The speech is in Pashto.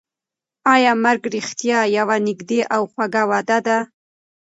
ایا مرګ رښتیا یوه نږدې او خوږه وعده ده؟